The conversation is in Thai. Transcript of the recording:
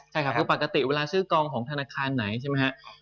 ใช่ครับคือปกติเวลาซื้อกองของธนาคารไหนใช่ไหมครับ